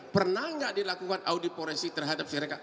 pernah gak dilakukan audit polisi terhadap si reka